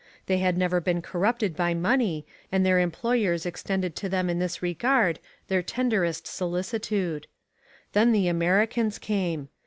They had never been corrupted by money and their employers extended to them in this regard their tenderest solicitude. Then the Americans came.